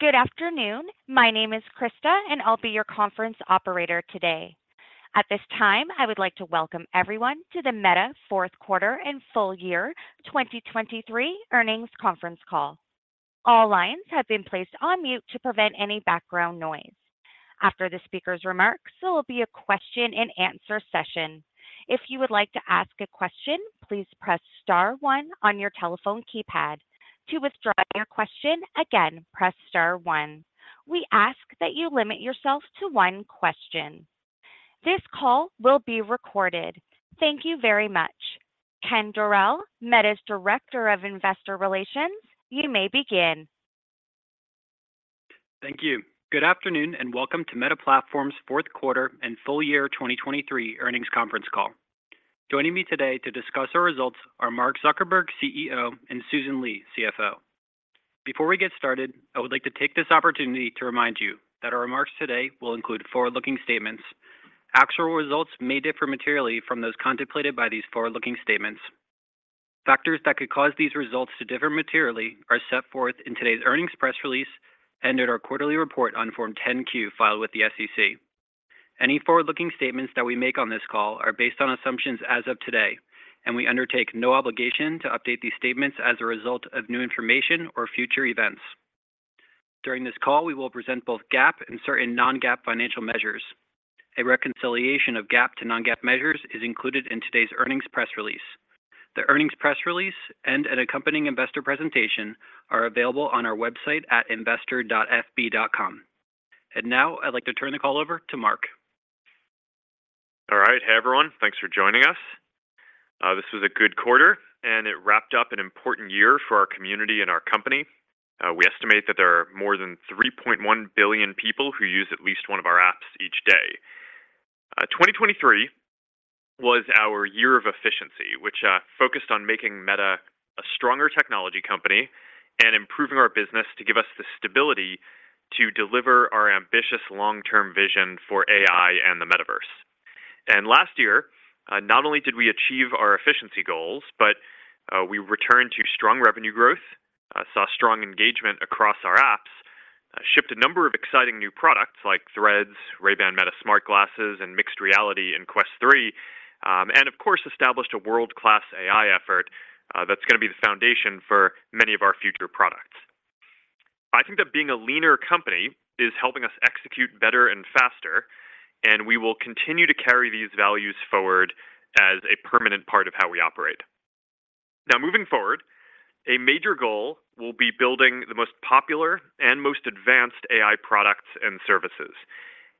Good afternoon. My name is Krista, and I'll be your conference operator today. At this time, I would like to welcome everyone to the Meta Fourth Quarter and Full Year 2023 Earnings Conference Call. All lines have been placed on mute to prevent any background noise. After the speaker's remarks, there will be a question-and-answer session. If you would like to ask a question, please press star one on your telephone keypad. To withdraw your question, again, press star one. We ask that you limit yourself to one question. This call will be recorded. Thank you very much. Kenneth Dorell, Meta's Director of Investor Relations, you may begin. Thank you. Good afternoon, and welcome to Meta Platforms' Fourth Quarter and Full Year 2023 Earnings Conference Call. Joining me today to discuss our results are Mark Zuckerberg, CEO, and Susan Li, CFO. Before we get started, I would like to take this opportunity to remind you that our remarks today will include forward-looking statements. Actual results may differ materially from those contemplated by these forward-looking statements. Factors that could cause these results to differ materially are set forth in today's earnings press release and in our quarterly report on Form 10-Q, filed with the SEC. Any forward-looking statements that we make on this call are based on assumptions as of today, and we undertake no obligation to update these statements as a result of new information or future events. During this call, we will present both GAAP and certain non-GAAP financial measures. A reconciliation of GAAP to non-GAAP measures is included in today's earnings press release. The earnings press release and an accompanying investor presentation are available on our website at investor.fb.com. And now, I'd like to turn the call over to Mark. All right. Hey, everyone. Thanks for joining us. This was a good quarter, and it wrapped up an important year for our community and our company. We estimate that there are more than 3.1 billion people who use at least one of our apps each day. 2023 was our year of efficiency, which focused on making Meta a stronger technology company and improving our business to give us the stability to deliver our ambitious long-term vision for AI and the metaverse. And last year, not only did we achieve our efficiency goals, but we returned to strong revenue growth, saw strong engagement across our apps, shipped a number of exciting new products like Threads, Ray-Ban Meta Smart Glasses, and mixed reality in Quest 3, and of course, established a world-class AI effort, that's gonna be the foundation for many of our future products. I think that being a leaner company is helping us execute better and faster, and we will continue to carry these values forward as a permanent part of how we operate. Now, moving forward, a major goal will be building the most popular and most advanced AI products and services.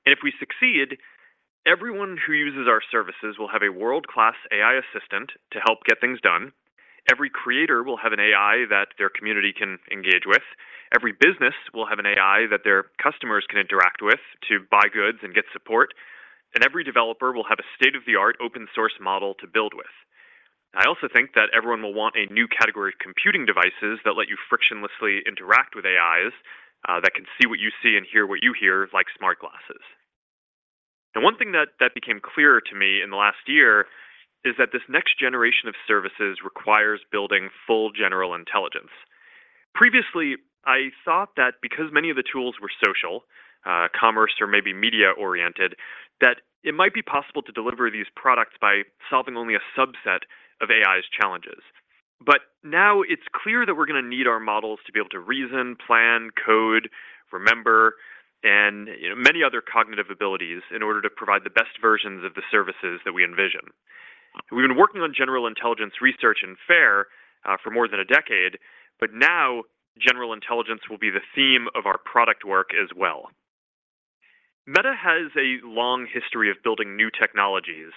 And if we succeed, everyone who uses our services will have a world-class AI assistant to help get things done. Every creator will have an AI that their community can engage with. Every business will have an AI that their customers can interact with to buy goods and get support, and every developer will have a state-of-the-art open source model to build with. I also think that everyone will want a new category of computing devices that let you frictionlessly interact with AIs, that can see what you see and hear what you hear, like smart glasses. One thing that became clearer to me in the last year is that this next generation of services requires building full general intelligence. Previously, I thought that because many of the tools were social, commerce or maybe media-oriented, that it might be possible to deliver these products by solving only a subset of AI's challenges. But now it's clear that we're gonna need our models to be able to reason, plan, code, remember, and many other cognitive abilities in order to provide the best versions of the services that we envision. We've been working on general intelligence research in FAIR for more than a decade, but now, general intelligence will be the theme of our product work as well. Meta has a long history of building new technologies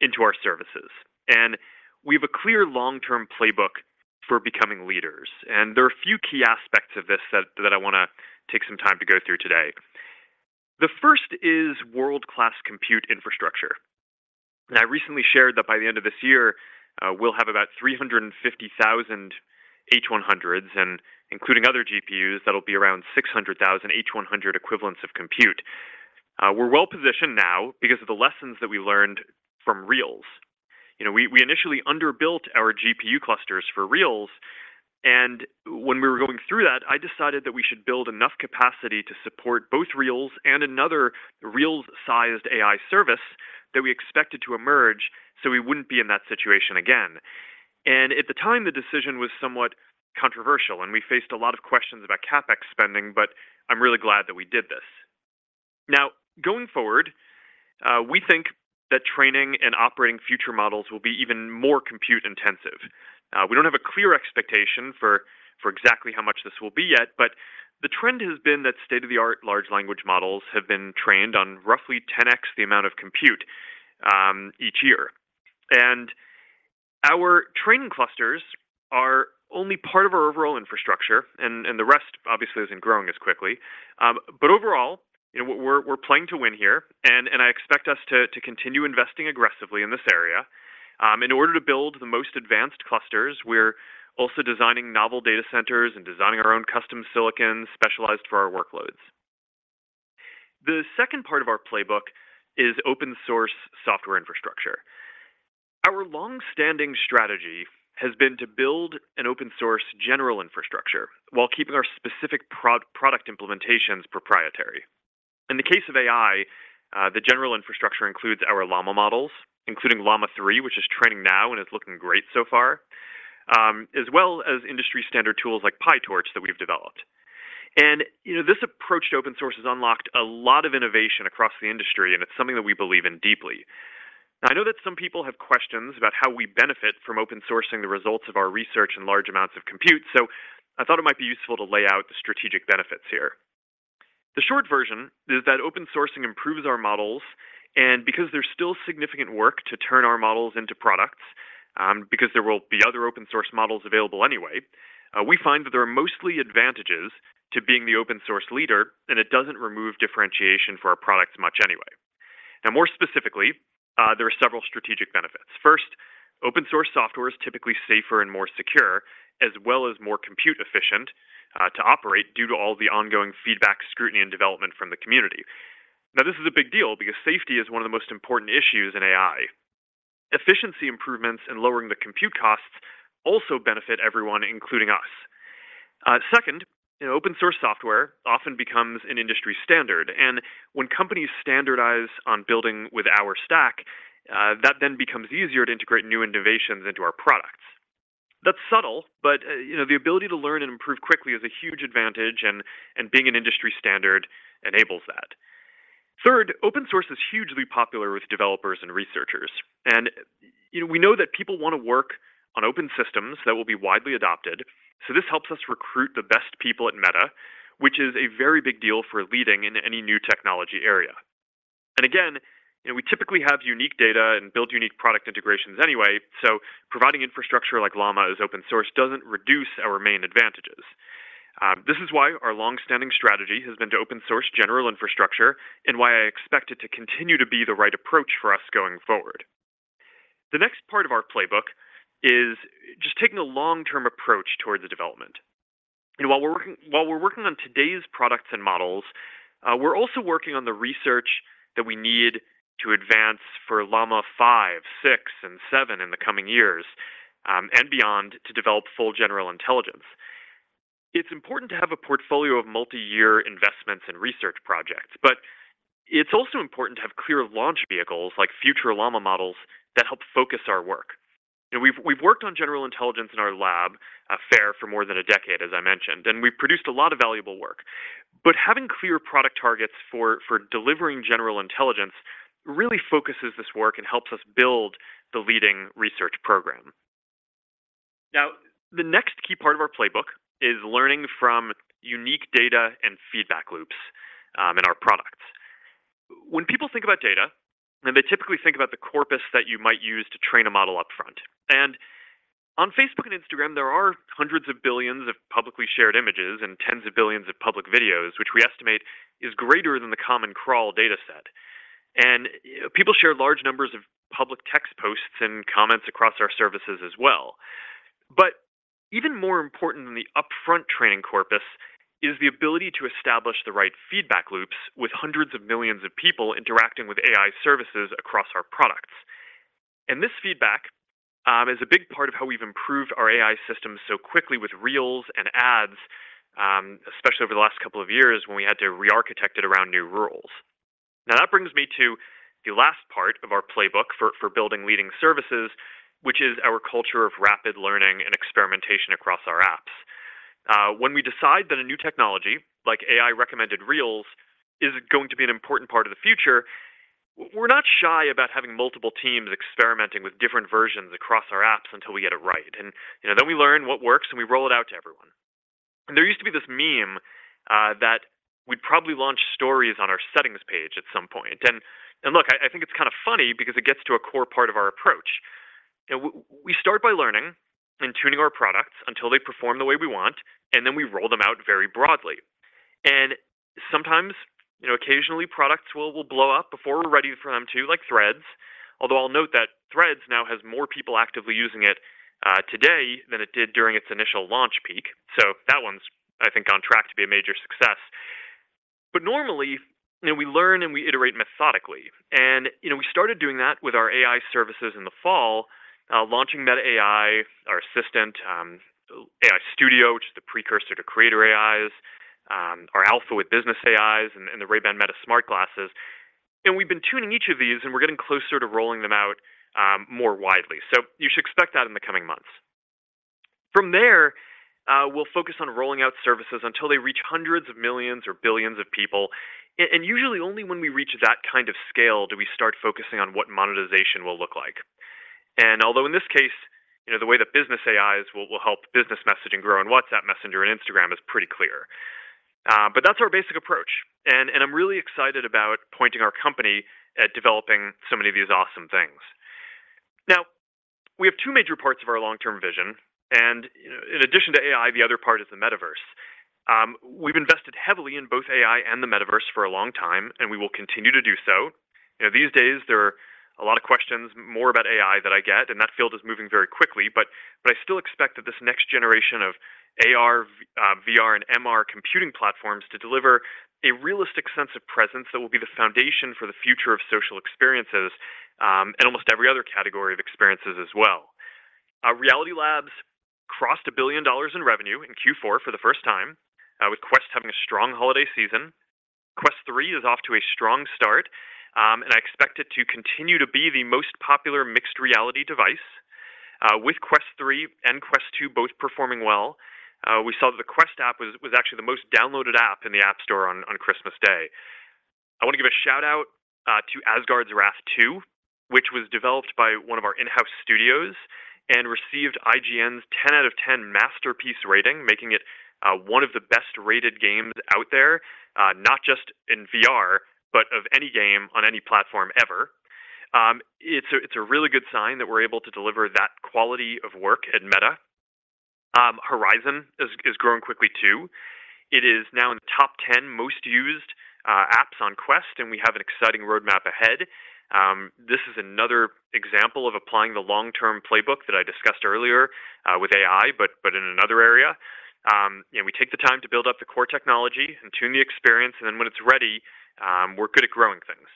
into our services, and we have a clear long-term playbook for becoming leaders, and there are a few key aspects of this that I wanna take some time to go through today. The first is world-class compute infrastructure. I recently shared that by the end of this year, we'll have about 350,000 H100s, and including other GPUs, that'll be around 600,000 H100 equivalents of compute. We're well-positioned now because of the lessons that we learned from Reels. You know, we initially underbuilt our GPU clusters for Reels, and when we were going through that, I decided that we should build enough capacity to support both Reels and another Reels-sized AI service that we expected to emerge, so we wouldn't be in that situation again. And at the time, the decision was somewhat controversial, and we faced a lot of questions about CapEx spending, but I'm really glad that we did this. Now, going forward, we think that training and operating future models will be even more compute-intensive. We don't have a clear expectation for exactly how much this will be yet, but the trend has been that state-of-the-art large language models have been trained on roughly 10x the amount of compute each year. Our training clusters are only part of our overall infrastructure, and the rest, obviously, isn't growing as quickly. But overall, you know, we're playing to win here, and I expect us to continue investing aggressively in this area. In order to build the most advanced clusters, we're also designing novel data centers and designing our own custom silicon, specialized for our workloads. The second part of our playbook is open source software infrastructure. Our long-standing strategy has been to build an open source general infrastructure while keeping our specific product implementations proprietary. In the case of AI, the general infrastructure includes our Llama models, including Llama 3, which is training now, and it's looking great so far, as well as industry standard tools like PyTorch that we've developed. You know, this approach to open source has unlocked a lot of innovation across the industry, and it's something that we believe in deeply. Now, I know that some people have questions about how we benefit from open sourcing the results of our research in large amounts of compute, so I thought it might be useful to lay out the strategic benefits here. The short version is that open sourcing improves our models, and because there's still significant work to turn our models into products, because there will be other open source models available anyway, we find that there are mostly advantages to being the open source leader, and it doesn't remove differentiation for our products much anyway. Now, more specifically, there are several strategic benefits. First, open source software is typically safer and more secure, as well as more compute-efficient, to operate due to all the ongoing feedback, scrutiny, and development from the community. Now, this is a big deal because safety is one of the most important issues in AI. Efficiency improvements and lowering the compute costs also benefit everyone, including us. Second, open source software often becomes an industry standard, and when companies standardize on building with our stack, that then becomes easier to integrate new innovations into our products. That's subtle, but, you know, the ability to learn and improve quickly is a huge advantage, and, and being an industry standard enables that. Third, open source is hugely popular with developers and researchers, and, you know, we know that people want to work on open systems that will be widely adopted, so this helps us recruit the best people at Meta, which is a very big deal for leading in any new technology area. And again, you know, we typically have unique data and build unique product integrations anyway, so providing infrastructure like Llama as open source doesn't reduce our main advantages. This is why our long-standing strategy has been to open source general infrastructure and why I expect it to continue to be the right approach for us going forward. The next part of our playbook is just taking a long-term approach toward the development. And while we're working, while we're working on today's products and models, we're also working on the research that we need to advance for Llama 5, 6, and 7 in the coming years, and beyond, to develop full general intelligence. It's important to have a portfolio of multi-year investments and research projects, but it's also important to have clear launch vehicles like future Llama models that help focus our work. You know, we've, we've worked on general intelligence in our lab, FAIR for more than a decade, as I mentioned, and we've produced a lot of valuable work. But having clear product targets for, for delivering general intelligence really focuses this work and helps us build the leading research program. Now, the next key part of our playbook is learning from unique data and feedback loops, in our products. When people think about data, then they typically think about the corpus that you might use to train a model up front. On Facebook and Instagram, there are hundreds of billions of publicly shared images and tens of billions of public videos, which we estimate is greater than the Common Crawl data set. People share large numbers of public text posts and comments across our services as well. But even more important than the upfront training corpus is the ability to establish the right feedback loops with hundreds of millions of people interacting with AI services across our products. This feedback is a big part of how we've improved our AI system so quickly with Reels and ads, especially over the last couple of years, when we had to re-architect it around new rules. Now, that brings me to the last part of our playbook for building leading services, which is our culture of rapid learning and experimentation across our apps. When we decide that a new technology, like AI-recommended Reels, is going to be an important part of the future, we're not shy about having multiple teams experimenting with different versions across our apps until we get it right. You know, then we learn what works, and we roll it out to everyone. There used to be this meme that we'd probably launch Stories on our settings page at some point. Look, I think it's kind of funny because it gets to a core part of our approach. We start by learning and tuning our products until they perform the way we want, and then we roll them out very broadly. Sometimes, you know, occasionally products will, will blow up before we're ready for them to, like Threads. Although I'll note that Threads now has more people actively using it today than it did during its initial launch peak. So that one's, I think, on track to be a major success. But normally, you know, we learn and we iterate methodically. And, you know, we started doing that with our AI services in the fall, launching Meta AI, our assistant, AI Studio, which is the precursor to Creator AIs, our alpha with business AIs and the Ray-Ban Meta smart glasses, and we've been tuning each of these, and we're getting closer to rolling them out more widely. So you should expect that in the coming months. From there, we'll focus on rolling out services until they reach hundreds of millions or billions of people. Usually only when we reach that kind of scale, do we start focusing on what monetization will look like. And although in this case, you know, the way that business AIs will help business messaging grow, and WhatsApp, Messenger, and Instagram is pretty clear. But that's our basic approach, and I'm really excited about pointing our company at developing so many of these awesome things. Now, we have two major parts of our long-term vision, and in addition to AI, the other part is the metaverse. We've invested heavily in both AI and the metaverse for a long time, and we will continue to do so. These days, there are a lot of questions, more about AI that I get, and that field is moving very quickly, but I still expect that this next generation of AR, VR, and MR computing platforms to deliver a realistic sense of presence that will be the foundation for the future of social experiences, and almost every other category of experiences as well. Reality Labs crossed $1 billion in revenue in Q4 for the first time, with Quest having a strong holiday season. Quest 3 is off to a strong start, and I expect it to continue to be the most popular mixed reality device. With Quest 3 and Quest 2 both performing well, we saw that the Quest app was actually the most downloaded app in the App Store on Christmas Day. I want to give a shout-out to Asgard's Wrath 2, which was developed by one of our in-house studios and received IGN's 10 out of 10 masterpiece rating, making it one of the best-rated games out there, not just in VR, but of any game on any platform ever. It's a really good sign that we're able to deliver that quality of work at Meta. Horizon is growing quickly too. It is now in the top 10 most used apps on Quest, and we have an exciting roadmap ahead. This is another example of applying the long-term playbook that I discussed earlier with AI, but in another area. We take the time to build up the core technology and tune the experience, and then when it's ready, we're good at growing things.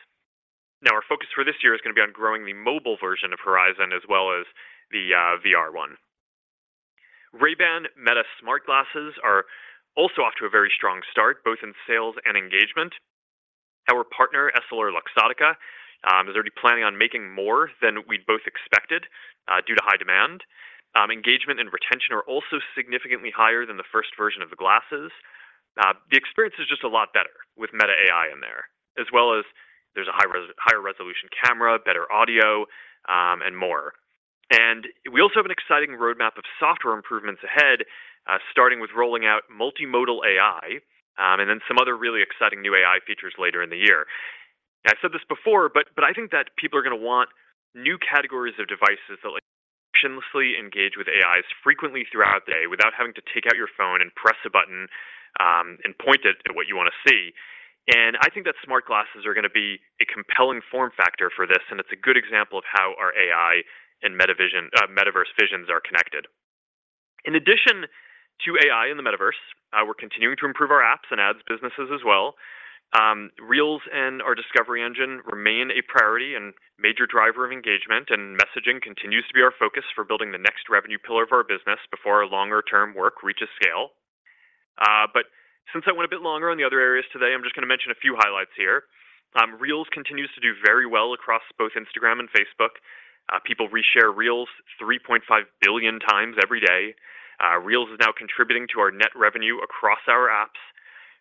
Now, our focus for this year is gonna be on growing the mobile version of Horizon as well as the VR one. Ray-Ban Meta smart glasses are also off to a very strong start, both in sales and engagement. Our partner, EssilorLuxottica, is already planning on making more than we'd both expected due to high demand. Engagement and retention are also significantly higher than the first version of the glasses. The experience is just a lot better with Meta AI in there, as well as there's a higher resolution camera, better audio, and more. And we also have an exciting roadmap of software improvements ahead, starting with rolling out multimodal AI, and then some other really exciting new AI features later in the year. I said this before, but I think that people are gonna want new categories of devices that like, frictionlessly engage with AIs frequently throughout the day without having to take out your phone and press a button, and point it at what you wanna see. And I think that smart glasses are gonna be a compelling form factor for this, and it's a good example of how our AI and Meta vision, Metaverse visions are connected. In addition to AI in the Metaverse, we're continuing to improve our apps and ads, businesses as well. Reels and our Discovery Engine remain a priority and major driver of engagement, and messaging continues to be our focus for building the next revenue pillar of our business before our longer-term work reaches scale. But since I went a bit longer on the other areas today, I'm just gonna mention a few highlights here. Reels continues to do very well across both Instagram and Facebook. People reshare Reels 3.5 billion times every day. Reels is now contributing to our net revenue across our apps.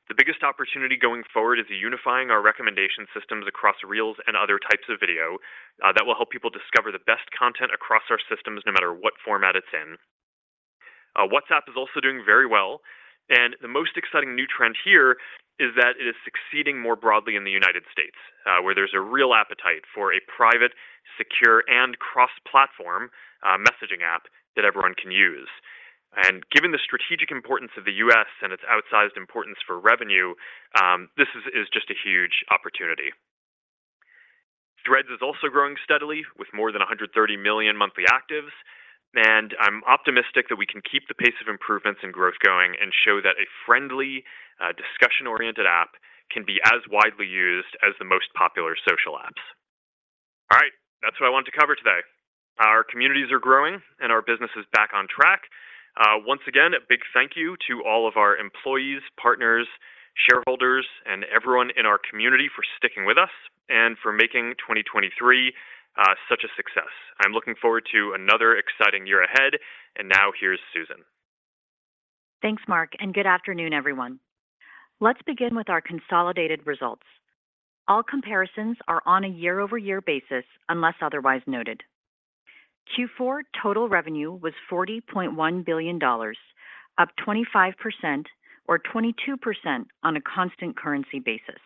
The biggest opportunity going forward is unifying our recommendation systems across Reels and other types of video, that will help people discover the best content across our systems, no matter what format it's in. WhatsApp is also doing very well, and the most exciting new trend here is that it is succeeding more broadly in the United States, where there's a real appetite for a private, secure, and cross-platform, messaging app that everyone can use. Given the strategic importance of the U.S. and its outsized importance for revenue, this is just a huge opportunity. Threads is also growing steadily with more than 130 million monthly actives, and I'm optimistic that we can keep the pace of improvements and growth going and show that a friendly, discussion-oriented app can be as widely used as the most popular social apps. All right. That's what I want to cover today. Our communities are growing, and our business is back on track. Once again, a big thank you to all of our employees, partners, shareholders, and everyone in our community for sticking with us and for making 2023 such a success. I'm looking forward to another exciting year ahead. Now, here's Susan. Thanks, Mark, and good afternoon, everyone. Let's begin with our consolidated results. All comparisons are on a year-over-year basis, unless otherwise noted. Q4 total revenue was $40.1 billion, up 25% or 22% on a constant currency basis.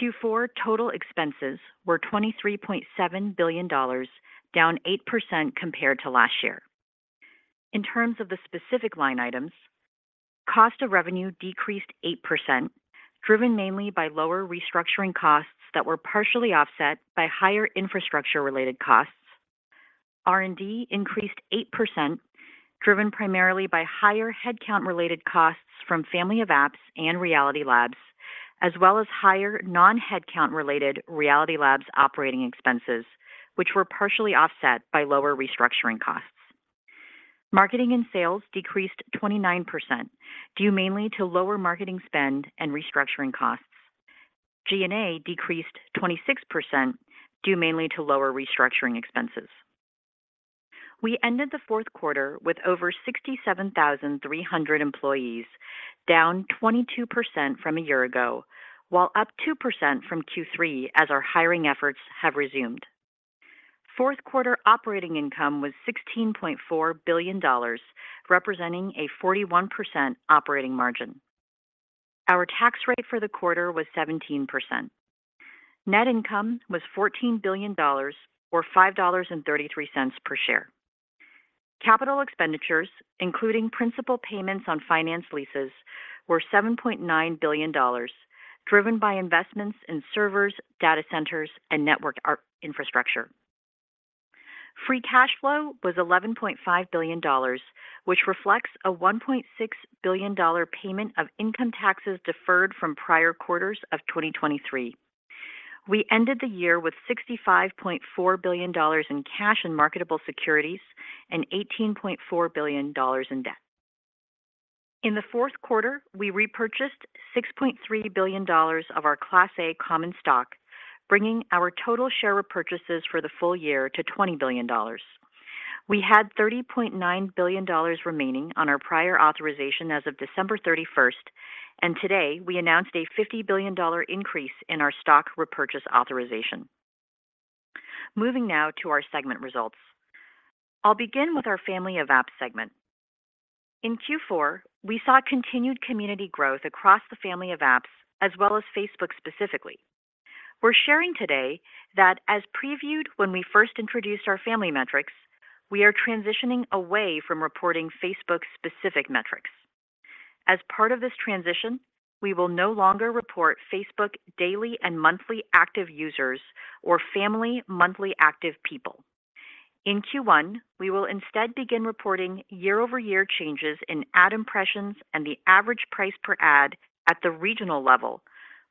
Q4 total expenses were $23.7 billion, down 8% compared to last year. In terms of the specific line items, cost of revenue decreased 8%, driven mainly by lower restructuring costs that were partially offset by higher infrastructure-related costs. R&D increased 8%, driven primarily by higher headcount-related costs from Family of Apps and Reality Labs, as well as higher non-headcount related Reality Labs operating expenses, which were partially offset by lower restructuring costs. Marketing and sales decreased 29%, due mainly to lower marketing spend and restructuring costs. G&A decreased 26%, due mainly to lower restructuring expenses. We ended the fourth quarter with over 67,300 employees, down 22% from a year ago, while up 2% from Q3 as our hiring efforts have resumed. Fourth quarter operating income was $16.4 billion, representing a 41% operating margin. Our tax rate for the quarter was 17%. Net income was $14 billion or $5.33 per share. Capital expenditures, including principal payments on finance leases were $7.9 billion, driven by investments in servers, data centers, and network infrastructure. Free cash flow was $11.5 billion, which reflects a $1.6 billion payment of income taxes deferred from prior quarters of 2023. We ended the year with $65.4 billion in cash and marketable securities and $18.4 billion in debt. In the fourth quarter, we repurchased $6.3 billion of our Class A common stock, bringing our total share repurchases for the full year to $20 billion. We had $30.9 billion remaining on our prior authorization as of December 31st, and today we announced a $50 billion increase in our stock repurchase authorization. Moving now to our segment results. I'll begin with our Family of Apps segment. In Q4, we saw continued community growth across the Family of Apps, as well as Facebook specifically. We're sharing today that as previewed when we first introduced our family metrics, we are transitioning away from reporting Facebook-specific metrics. As part of this transition, we will no longer report Facebook daily and monthly active users or Family monthly active people. In Q1, we will instead begin reporting year-over-year changes in ad impressions and the average price per ad at the regional level,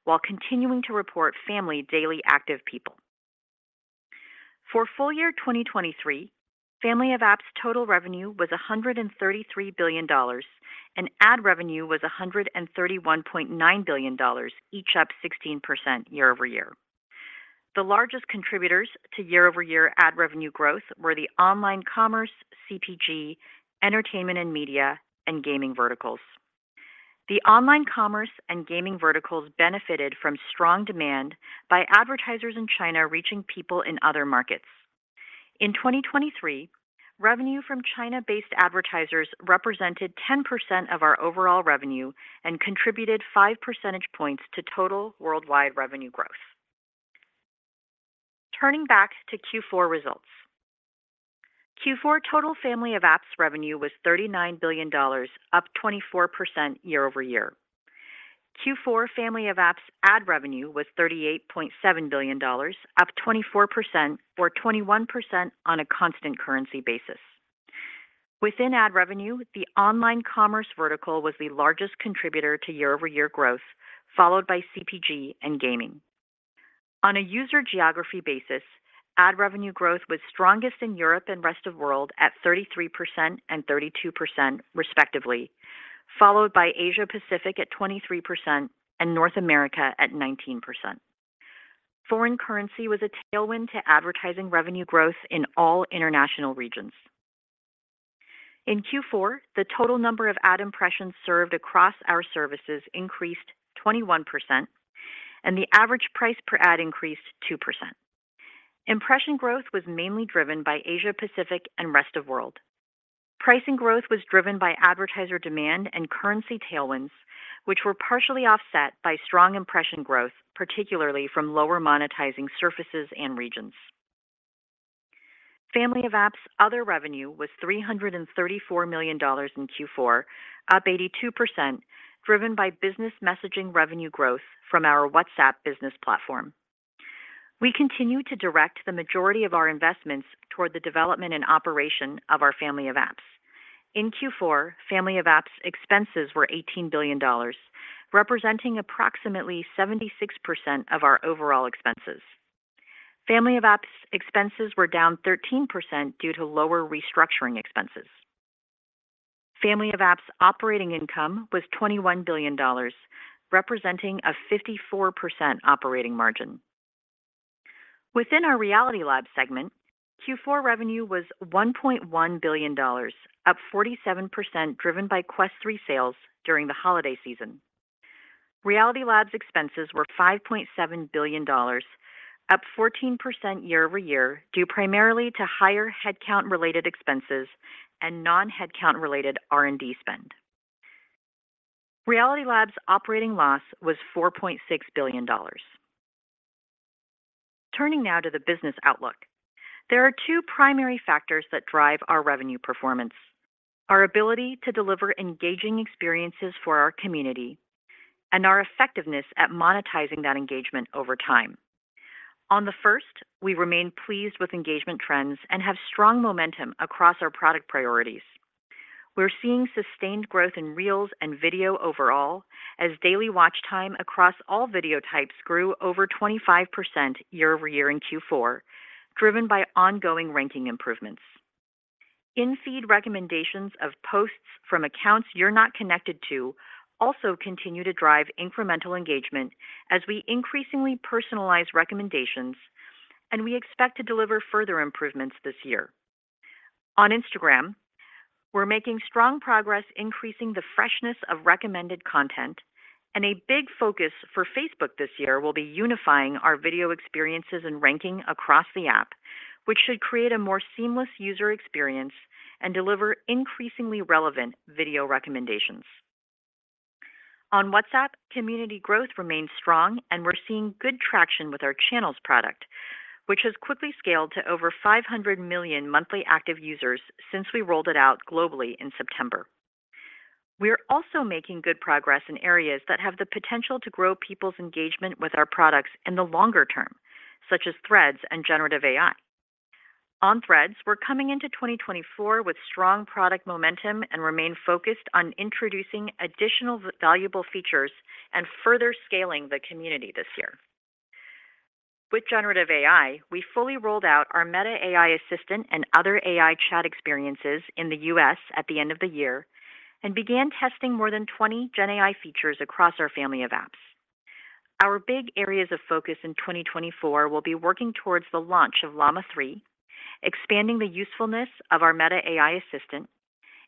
while continuing to report Family daily active people. For full year 2023, Family of Apps total revenue was $133 billion, and ad revenue was $131.9 billion, each up 16% year-over-year. The largest contributors to year-over-year ad revenue growth were the online commerce, CPG, entertainment and media, and gaming verticals. The online commerce and gaming verticals benefited from strong demand by advertisers in China, reaching people in other markets. In 2023, revenue from China-based advertisers represented 10% of our overall revenue and contributed five percentage points to total worldwide revenue growth. Turning back to Q4 results. Q4 total Family of Apps revenue was $39 billion, up 24% year-over-year. Q4 Family of Apps ad revenue was $38.7 billion, up 24% or 21% on a constant currency basis. Within ad revenue, the online commerce vertical was the largest contributor to year-over-year growth, followed by CPG and gaming. On a user geography basis, ad revenue growth was strongest in Europe and Rest of World at 33% and 32% respectively, followed by Asia Pacific at 23% and North America at 19%. Foreign currency was a tailwind to advertising revenue growth in all international regions. In Q4, the total number of ad impressions served across our services increased 21%, and the average price per ad increased 2%. Impression growth was mainly driven by Asia Pacific and Rest of World. Pricing growth was driven by advertiser demand and currency tailwinds, which were partially offset by strong impression growth, particularly from lower monetizing surfaces and regions. Family of Apps other revenue was $334 million in Q4, up 82%, driven by business messaging revenue growth from our WhatsApp business platform. We continue to direct the majority of our investments toward the development and operation of our Family of Apps. In Q4, Family of Apps expenses were $18 billion, representing approximately 76% of our overall expenses. Family of Apps expenses were down 13% due to lower restructuring expenses. Family of Apps operating income was $21 billion, representing a 54% operating margin. Within our Reality Labs segment, Q4 revenue was $1.1 billion, up 47%, driven by Quest 3 sales during the holiday season. Reality Labs expenses were $5.7 billion, up 14% year-over-year, due primarily to higher headcount-related expenses and non-headcount related R&D spend. Reality Labs operating loss was $4.6 billion. Turning now to the business outlook. There are two primary factors that drive our revenue performance: our ability to deliver engaging experiences for our community and our effectiveness at monetizing that engagement over time. On the first, we remain pleased with engagement trends and have strong momentum across our product priorities. We're seeing sustained growth in Reels and video overall, as daily watch time across all video types grew over 25% year-over-year in Q4, driven by ongoing ranking improvements. In-feed recommendations of posts from accounts you're not connected to also continue to drive incremental engagement as we increasingly personalize recommendations, and we expect to deliver further improvements this year. On Instagram, we're making strong progress, increasing the freshness of recommended content, and a big focus for Facebook this year will be unifying our video experiences and ranking across the app, which should create a more seamless user experience and deliver increasingly relevant video recommendations. On WhatsApp, community growth remains strong, and we're seeing good traction with our Channels product which has quickly scaled to over 500 million monthly active users since we rolled it out globally in September. We are also making good progress in areas that have the potential to grow people's engagement with our products in the longer term, such as Threads and generative AI. On Threads, we're coming into 2024 with strong product momentum and remain focused on introducing additional valuable features and further scaling the community this year. With generative AI, we fully rolled out our Meta AI assistant and other AI chat experiences in the U.S. at the end of the year, and began testing more than 20 Gen AI features across our Family of Apps. Our big areas of focus in 2024 will be working towards the launch of Llama 3, expanding the usefulness of our Meta AI assistant,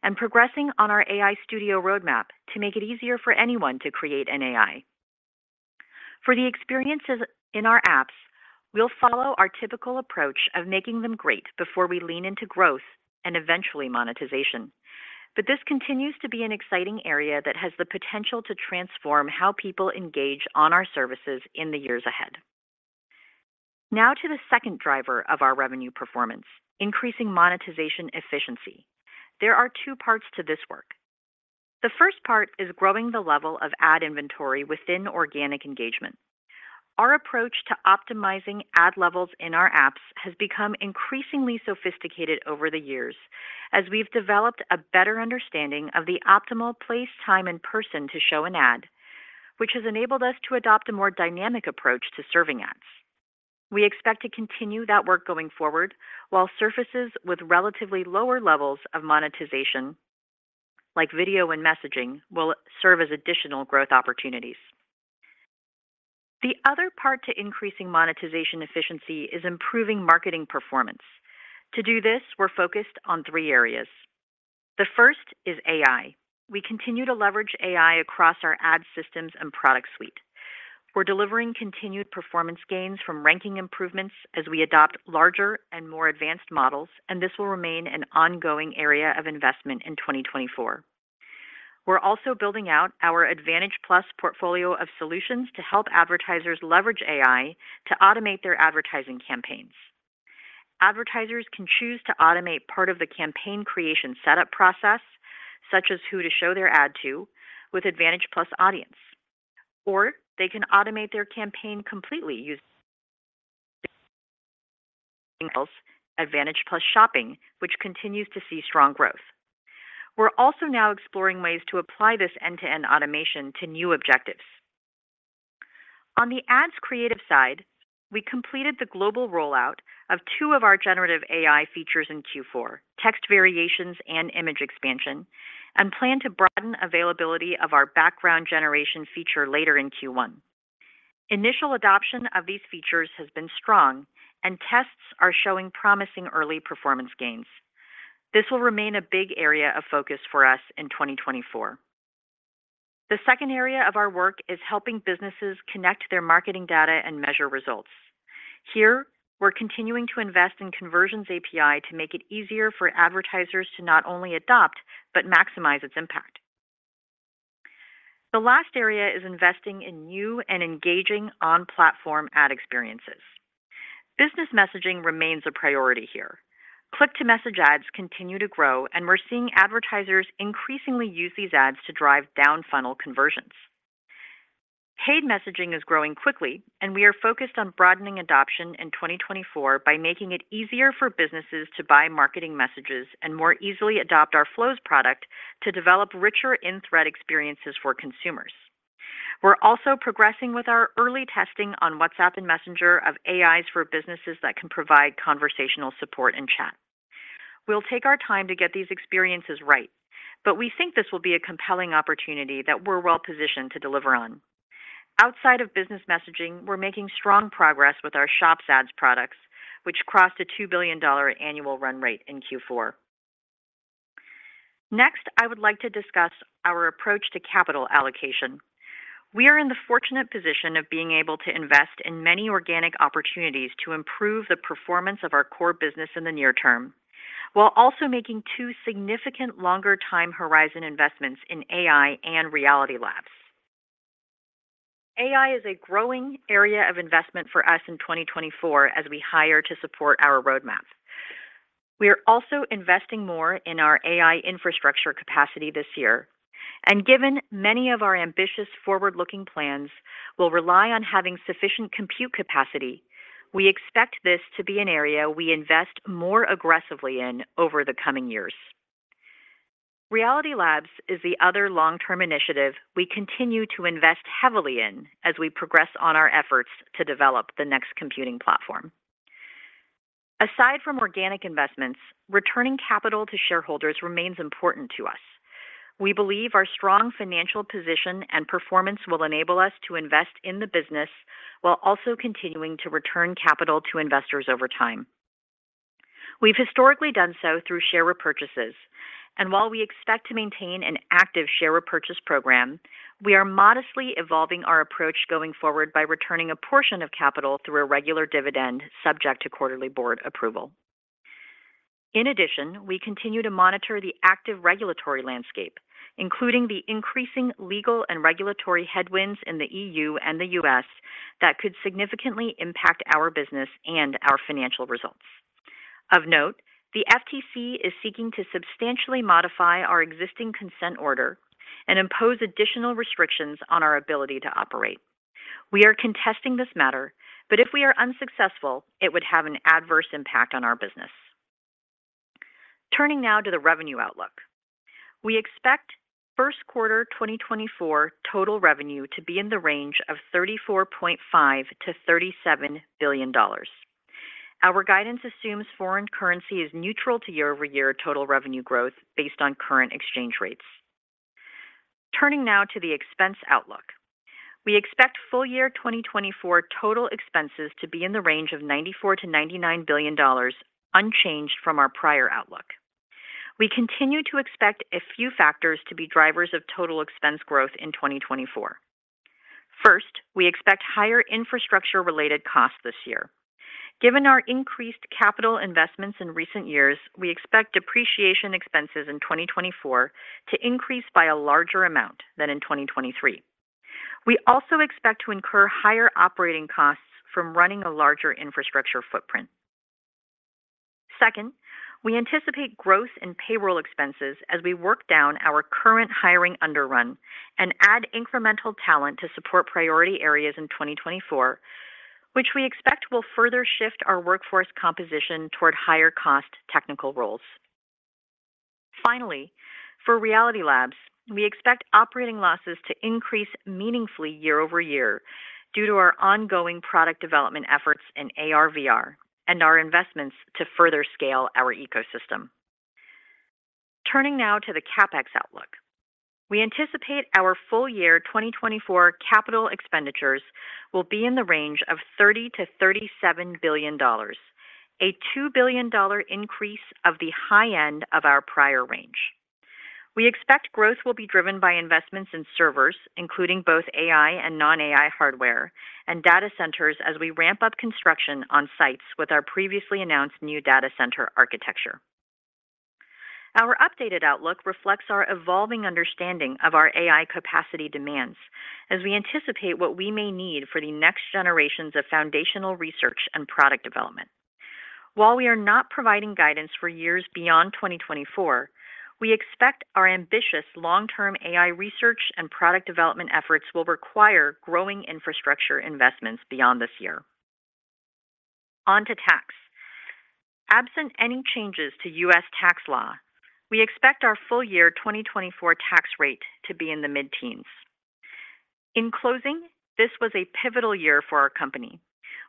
and progressing on our AI Studio roadmap to make it easier for anyone to create an AI. For the experiences in our apps, we'll follow our typical approach of making them great before we lean into growth and eventually monetization. But this continues to be an exciting area that has the potential to transform how people engage on our services in the years ahead. Now to the second driver of our revenue performance, increasing monetization efficiency. There are two parts to this work. The first part is growing the level of ad inventory within organic engagement. Our approach to optimizing ad levels in our apps has become increasingly sophisticated over the years as we've developed a better understanding of the optimal place, time, and person to show an ad, which has enabled us to adopt a more dynamic approach to serving ads. We expect to continue that work going forward, while surfaces with relatively lower levels of monetization, like video and messaging, will serve as additional growth opportunities. The other part to increasing monetization efficiency is improving marketing performance. To do this, we're focused on three areas. The first is AI. We continue to leverage AI across our ad systems and product suite. We're delivering continued performance gains from ranking improvements as we adopt larger and more advanced models, and this will remain an ongoing area of investment in 2024. We're also building out our Advantage+ portfolio of solutions to help advertisers leverage AI to automate their advertising campaigns. Advertisers can choose to automate part of the campaign creation setup process, such as who to show their ad to, with Advantage+ Audience, or they can automate their campaign completely using Advantage+ Shopping, which continues to see strong growth. We're also now exploring ways to apply this end-to-end automation to new objectives. On the ads creative side, we completed the global rollout of two of our generative AI features in Q4: Text Variations and Image Expansion, and plan to broaden availability of our Background Generation feature later in Q1. Initial adoption of these features has been strong, and tests are showing promising early performance gains. This will remain a big area of focus for us in 2024. The second area of our work is helping businesses connect their marketing data and measure results. Here, we're continuing to invest in Conversions API to make it easier for advertisers to not only adopt but maximize its impact. The last area is investing in new and engaging on-platform ad experiences. Business messaging remains a priority here. Click-to-message ads continue to grow, and we're seeing advertisers increasingly use these ads to drive down funnel conversions. Paid messaging is growing quickly, and we are focused on broadening adoption in 2024 by making it easier for businesses to buy marketing messages and more easily adopt our Flows product to develop richer in-thread experiences for consumers. We're also progressing with our early testing on WhatsApp and Messenger of AIs for businesses that can provide conversational support and chat. We'll take our time to get these experiences right, but we think this will be a compelling opportunity that we're well-positioned to deliver on. Outside of business messaging, we're making strong progress with our Shops ads products, which crossed a $2 billion annual run rate in Q4. Next, I would like to discuss our approach to capital allocation. We are in the fortunate position of being able to invest in many organic opportunities to improve the performance of our core business in the near term, while also making two significant longer time horizon investments in AI and Reality Labs. AI is a growing area of investment for us in 2024 as we hire to support our roadmap. We are also investing more in our AI infrastructure capacity this year, and given many of our ambitious forward-looking plans will rely on having sufficient compute capacity, we expect this to be an area we invest more aggressively in over the coming years. Reality Labs is the other long-term initiative we continue to invest heavily in as we progress on our efforts to develop the next computing platform. Aside from organic investments, returning capital to shareholders remains important to us. We believe our strong financial position and performance will enable us to invest in the business while also continuing to return capital to investors over time. We've historically done so through share repurchases, and while we expect to maintain an active share repurchase program, we are modestly evolving our approach going forward by returning a portion of capital through a regular dividend, subject to quarterly board approval. In addition, we continue to monitor the active regulatory landscape, including the increasing legal and regulatory headwinds in the EU and the US that could significantly impact our business and our financial results. Of note, the FTC is seeking to substantially modify our existing consent order and impose additional restrictions on our ability to operate. We are contesting this matter, but if we are unsuccessful, it would have an adverse impact on our business. Turning now to the revenue outlook. We expect first quarter 2024 total revenue to be in the range of $34.5 billion-$37 billion. Our guidance assumes foreign currency is neutral to year-over-year total revenue growth based on current exchange rates. Turning now to the expense outlook. We expect full year 2024 total expenses to be in the range of $94 billion-$99 billion, unchanged from our prior outlook. We continue to expect a few factors to be drivers of total expense growth in 2024. First, we expect higher infrastructure-related costs this year. Given our increased capital investments in recent years, we expect depreciation expenses in 2024 to increase by a larger amount than in 2023. We also expect to incur higher operating costs from running a larger infrastructure footprint. Second, we anticipate growth in payroll expenses as we work down our current hiring underrun and add incremental talent to support priority areas in 2024, which we expect will further shift our workforce composition toward higher cost technical roles. Finally, for Reality Labs, we expect operating losses to increase meaningfully year-over-year due to our ongoing product development efforts in AR/VR and our investments to further scale our ecosystem. Turning now to the CapEx outlook. We anticipate our full year 2024 capital expenditures will be in the range of $30 billion-$37 billion, a $2 billion increase of the high end of our prior range. We expect growth will be driven by investments in servers, including both AI and non-AI hardware and data centers, as we ramp up construction on sites with our previously announced new data center architecture. Our updated outlook reflects our evolving understanding of our AI capacity demands as we anticipate what we may need for the next generations of foundational research and product development. While we are not providing guidance for years beyond 2024, we expect our ambitious long-term AI research and product development efforts will require growing infrastructure investments beyond this year. On to tax. Absent any changes to U.S. tax law, we expect our full year 2024 tax rate to be in the mid-teens. In closing, this was a pivotal year for our company.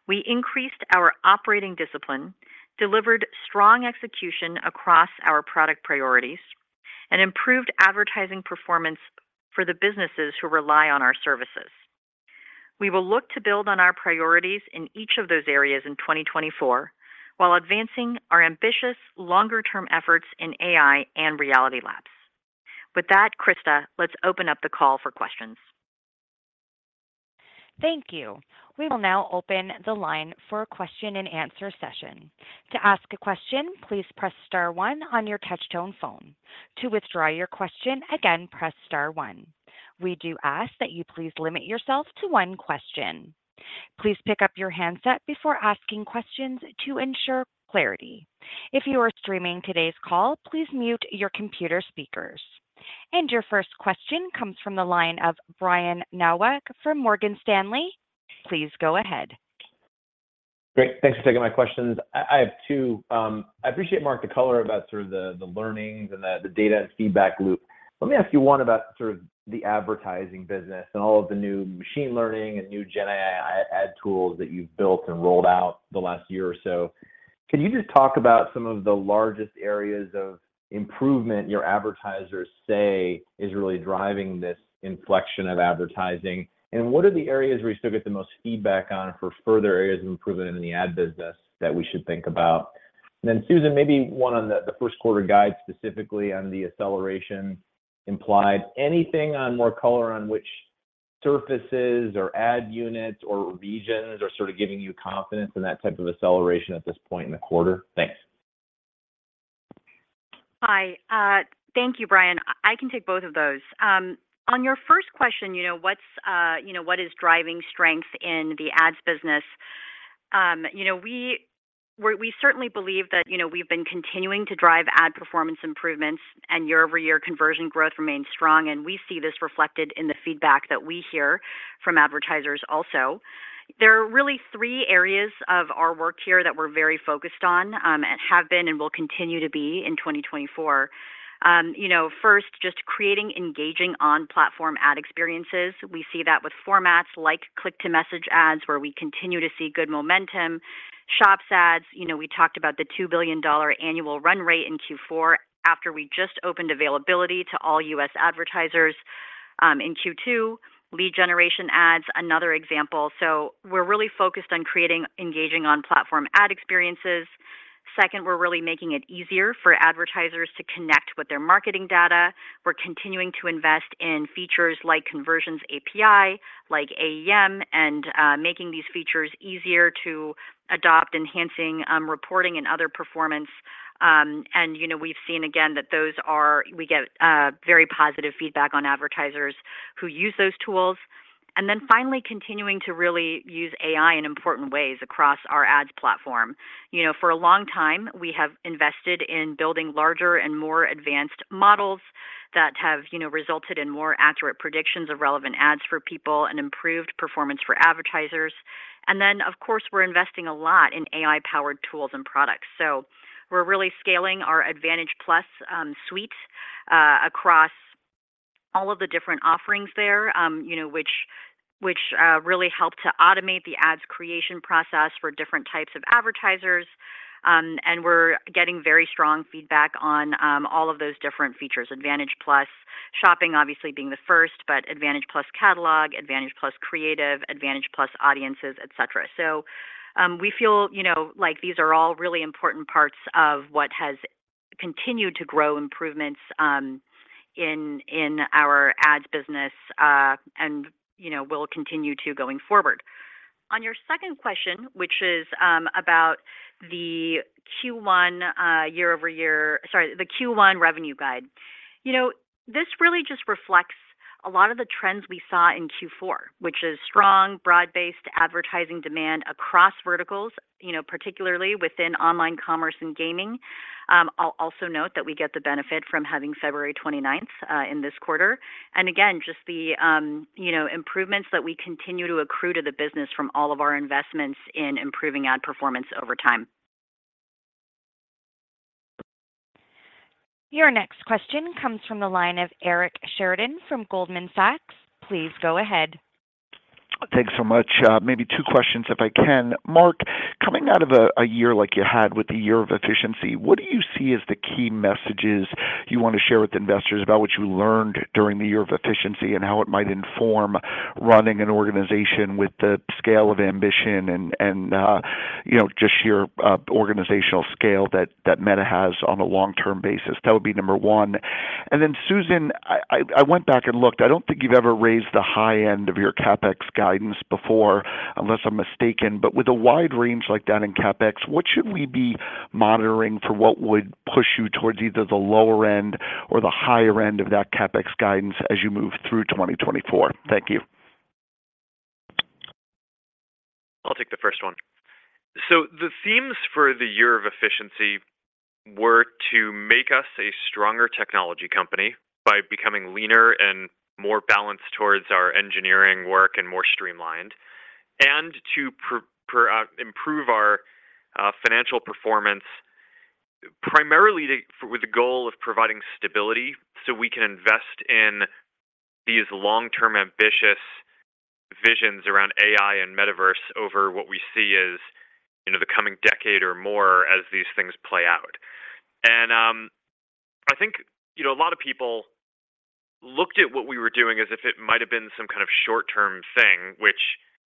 We increased our operating discipline, delivered strong execution across our product priorities, and improved advertising performance for the businesses who rely on our services. We will look to build on our priorities in each of those areas in 2024, while advancing our ambitious longer-term efforts in AI and Reality Labs. With that, Krista, let's open up the call for questions. Thank you. We will now open the line for a question and answer session. To ask a question, please press star one on your touchtone phone. To withdraw your question, again, press star one. We do ask that you please limit yourself to one question. Please pick up your handset before asking questions to ensure clarity. If you are streaming today's call, please mute your computer speakers. Your first question comes from the line of Brian Nowak from Morgan Stanley. Please go ahead. Great. Thanks for taking my questions. I have two. I appreciate, Mark, the color about sort of the learnings and the data and feedback loop. Let me ask you one about sort of the advertising business and all of the new machine learning and new Gen AI ad tools that you've built and rolled out the last year or so. Can you just talk about some of the largest areas of improvement your advertisers say is really driving this inflection of advertising? And what are the areas where you still get the most feedback on for further areas of improvement in the ad business that we should think about? And then, Susan, maybe one on the first quarter guide, specifically on the acceleration implied. Anything on more color on which surfaces or ad units or regions are sort of giving you confidence in that type of acceleration at this point in the quarter? Thanks. Hi. Thank you, Brian. I can take both of those. On your first question, you know, what's driving strength in the ads business? You know, we certainly believe that, you know, we've been continuing to drive ad performance improvements, and year-over-year conversion growth remains strong, and we see this reflected in the feedback that we hear from advertisers also. There are really three areas of our work here that we're very focused on, and have been and will continue to be in 2024. You know, first, just creating engaging on-platform ad experiences. We see that with formats like click-to-message ads, where we continue to see good momentum. Shops ads, you know, we talked about the $2 billion annual run rate in Q4 after we just opened availability to all U.S. advertisers in Q2. Lead generation ads, another example. So we're really focused on creating engaging on-platform ad experiences. Second, we're really making it easier for advertisers to connect with their marketing data. We're continuing to invest in features like Conversions API, like AEM, and making these features easier to adopt, enhancing reporting and other performance. And you know, we've seen again that those we get very positive feedback on advertisers who use those tools. And then finally, continuing to really use AI in important ways across our ads platform. You know, for a long time, we have invested in building larger and more advanced models that have, you know, resulted in more accurate predictions of relevant ads for people and improved performance for advertisers. And then, of course, we're investing a lot in AI-powered tools and products. So we're really scaling our Advantage+ suite across all of the different offerings there, you know, which really help to automate the ads creation process for different types of advertisers. And we're getting very strong feedback on all of those different features. Advantage+ Shopping obviously being the first, but Advantage+ Catalog, Advantage+ Creative, Advantage+ Audiences, et cetera. So we feel, you know, like these are all really important parts of what has continued to grow improvements in our ads business, and you know, will continue to going forward. On your second question, which is about the Q1 year-over-year. Sorry, the Q1 revenue guide. You know, this really just reflects a lot of the trends we saw in Q4, which is strong, broad-based advertising demand across verticals, you know, particularly within online commerce and gaming. I'll also note that we get the benefit from having February 29th in this quarter. And again, just the, you know, improvements that we continue to accrue to the business from all of our investments in improving ad performance over time. Your next question comes from the line of Eric Sheridan from Goldman Sachs. Please go ahead. Thanks so much. Maybe two questions, if I can. Mark, coming out of a year like you had with the year of efficiency, what do you see as the key messages you want to share with investors about what you learned during the year of efficiency and how it might inform running an organization with the scale of ambition and you know, just sheer organizational scale that Meta has on a long-term basis? That would be number one. And then, Susan, I went back and looked. I don't think you've ever raised the high end of your CapEx guidance before, unless I'm mistaken. But with a wide range like that in CapEx, what should we be monitoring for what would push you towards either the lower end or the higher end of that CapEx guidance as you move through 2024? Thank you. I'll take the first one. So the themes for the year of efficiency were to make us a stronger technology company by becoming leaner and more balanced towards our engineering work and more streamlined, and to improve our financial performance, primarily with the goal of providing stability so we can invest in these long-term, ambitious visions around AI and Metaverse over what we see as, you know, the coming decade or more as these things play out. And, I think, you know, a lot of people looked at what we were doing as if it might have been some kind of short-term thing, which,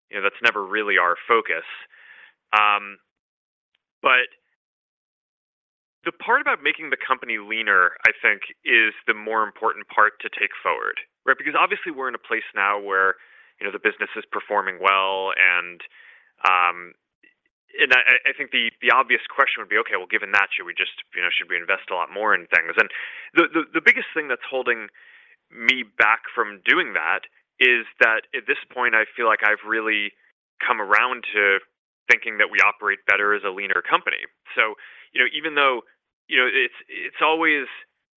you know, that's never really our focus. But the part about making the company leaner, I think, is the more important part to take forward, right? Because obviously we're in a place now where, you know, the business is performing well, and I think the obvious question would be: Okay, well, given that, should we just, you know, should we invest a lot more in things? And the biggest thing that's holding me back from doing that is that at this point, I feel like I've really come around to thinking that we operate better as a leaner company. So, you know, even though, you know, it's always.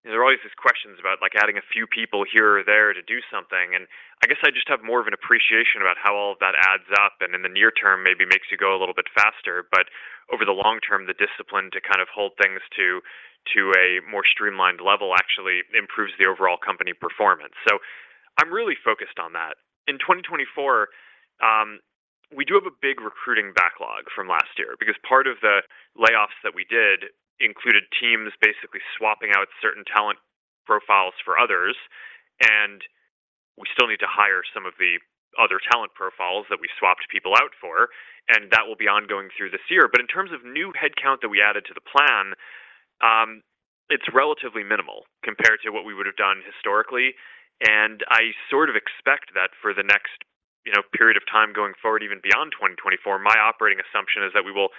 There are always these questions about, like, adding a few people here or there to do something. And I guess I just have more of an appreciation about how all of that adds up, and in the near term, maybe makes you go a little bit faster. But over the long term, the discipline to kind of hold things to a more streamlined level actually improves the overall company performance. So I'm really focused on that. In 2024, we do have a big recruiting backlog from last year, because part of the layoffs that we did included teams basically swapping out certain talent profiles for others, and we still need to hire some of the other talent profiles that we swapped people out for, and that will be ongoing through this year. But in terms of new headcount that we added to the plan, it's relatively minimal compared to what we would have done historically. I sort of expect that for the next, you know, period of time going forward, even beyond 2024, my operating assumption is that we will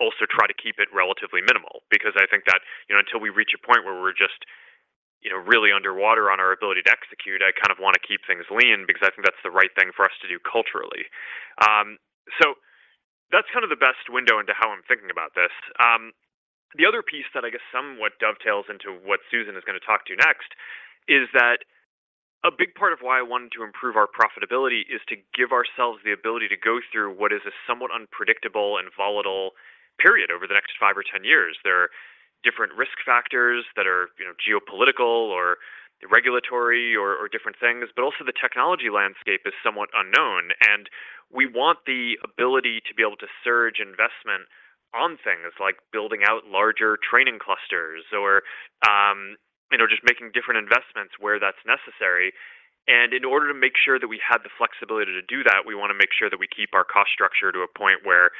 also try to keep it relatively minimal, because I think that, you know, until we reach a point where we're just, you know, really underwater on our ability to execute, I kind of want to keep things lean because I think that's the right thing for us to do culturally. So that's kind of the best window into how I'm thinking about this. The other piece that I guess somewhat dovetails into what Susan is going to talk to next is that a big part of why I wanted to improve our profitability is to give ourselves the ability to go through what is a somewhat unpredictable and volatile period over the next five or 10 years. There are different risk factors that are, you know, geopolitical or regulatory or different things, but also the technology landscape is somewhat unknown, and we want the ability to be able to surge investment on things like building out larger training clusters or, you know, just making different investments where that's necessary. And in order to make sure that we have the flexibility to do that, we want to make sure that we keep our cost structure to a point where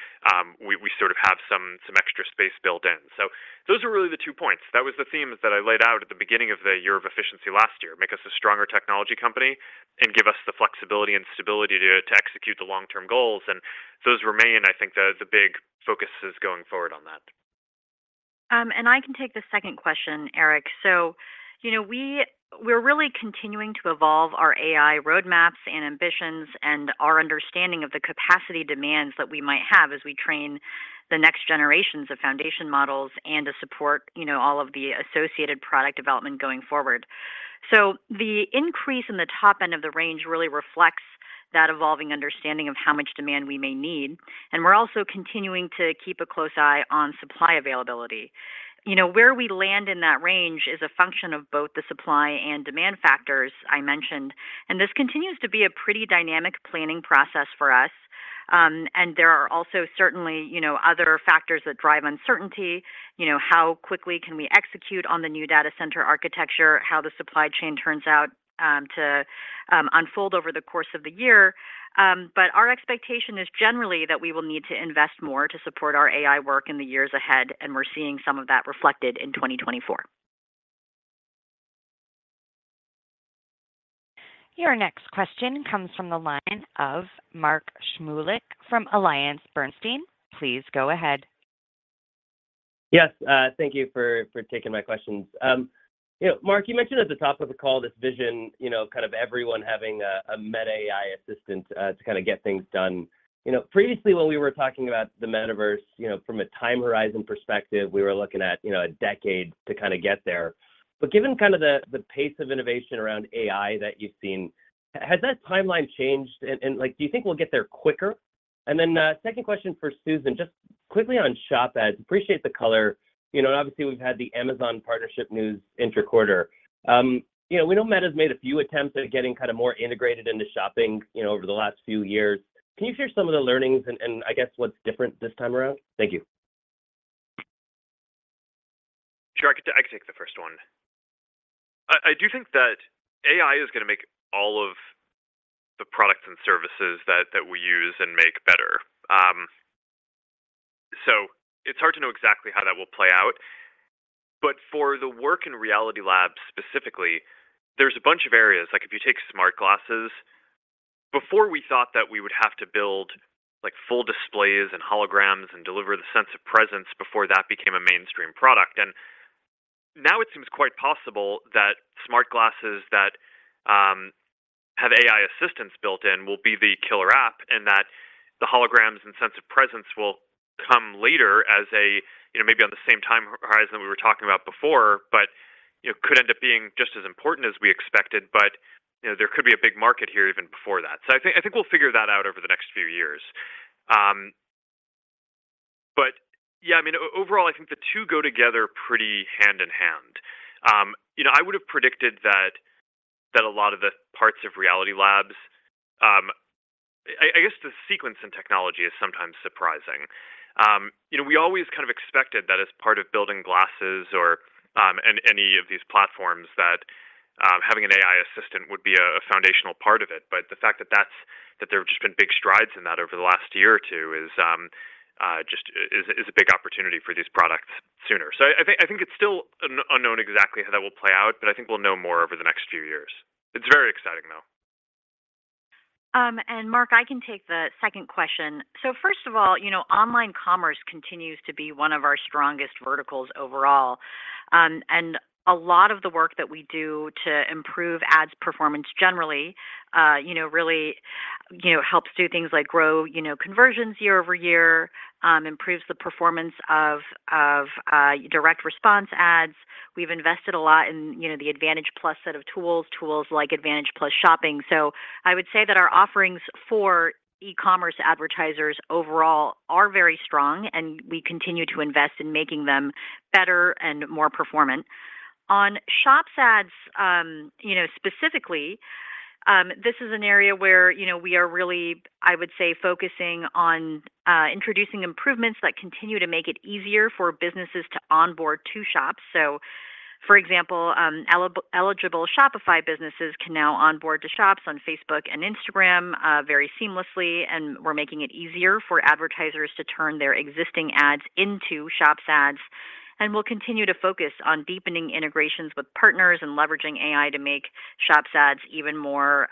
we sort of have some extra space built in. So those are really the two points. That was the themes that I laid out at the beginning of the year of efficiency last year: Make us a stronger technology company and give us the flexibility and stability to execute the long-term goals. Those remain, I think, the big focuses going forward on that. And I can take the second question, Eric. So, you know, we're really continuing to evolve our AI roadmaps and ambitions and our understanding of the capacity demands that we might have as we train the next generations of foundation models and to support, you know, all of the associated product development going forward. So the increase in the top end of the range really reflects that evolving understanding of how much demand we may need, and we're also continuing to keep a close eye on supply availability. You know, where we land in that range is a function of both the supply and demand factors I mentioned, and this continues to be a pretty dynamic planning process for us. And there are also certainly, you know, other factors that drive uncertainty. You know, how quickly can we execute on the new data center architecture? How the supply chain turns out to unfold over the course of the year. But our expectation is generally that we will need to invest more to support our AI work in the years ahead, and we're seeing some of that reflected in 2024. Your next question comes from the line of Mark Shmulik from AB Bernstein. Please go ahead. Yes, thank you for taking my questions. You know, Mark, you mentioned at the top of the call this vision, you know, kind of everyone having a Meta AI assistant to kinda get things done. You know, previously, when we were talking about the Metaverse, you know, from a time horizon perspective, we were looking at, you know, a decade to kinda get there. But given kind of the pace of innovation around AI that you've seen, has that timeline changed? And, like, do you think we'll get there quicker? And then, second question for Susan, just quickly on Shops ads. Appreciate the color. You know, obviously, we've had the Amazon partnership news interquarter. You know, we know Meta's made a few attempts at getting kinda more integrated into shopping, you know, over the last few years. Can you share some of the learnings and, I guess, what's different this time around? Thank you. Sure, I could, I can take the first one. I, I do think that AI is gonna make all of the products and services that, that we use and make better. So it's hard to know exactly how that will play out. But for the work in Reality Labs specifically, there's a bunch of areas, like if you take smart glasses, before we thought that we would have to build, like, full displays and holograms and deliver the sense of presence before that became a mainstream product. And now it seems quite possible that smart glasses that have AI assistance built in will be the killer app, and that the holograms and sense of presence will come later as a, you know, maybe on the same time horizon we were talking about before, but, you know, could end up being just as important as we expected. But, you know, there could be a big market here even before that. So I think we'll figure that out over the next few years. But yeah, I mean, overall, I think the two go together pretty hand in hand. You know, I would have predicted that a lot of the parts of Reality Labs. I guess the sequence in technology is sometimes surprising. You know, we always kind of expected that as part of building glasses or and any of these platforms, that having an AI assistant would be a foundational part of it. But the fact that there have just been big strides in that over the last year or two is just a big opportunity for these products sooner. So I think it's still unknown exactly how that will play out, but I think we'll know more over the next few years. It's very exciting, though. And Mark, I can take the second question. So first of all, you know, online commerce continues to be one of our strongest verticals overall. And a lot of the work that we do to improve ads performance generally, you know, really, you know, helps do things like grow, you know, conversions year-over-year, improves the performance of direct response ads. We've invested a lot in, you know, the Advantage+ set of tools, tools like Advantage+ shopping. So I would say that our offerings for e-commerce advertisers overall are very strong, and we continue to invest in making them better and more performant. On Shops ads, you know, specifically, this is an area where, you know, we are really, I would say, focusing on introducing improvements that continue to make it easier for businesses to onboard to Shops. So, for example, eligible Shopify businesses can now onboard to Shops on Facebook and Instagram very seamlessly, and we're making it easier for advertisers to turn their existing ads into shops ads. And we'll continue to focus on deepening integrations with partners and leveraging AI to make shops ads even more